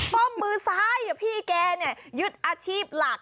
ป้อมมือซ้ายพี่แกยึดอาชีพหลัก